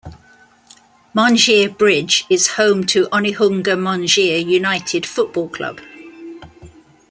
Mangere Bridge is home to Onehunga-Mangere United football club.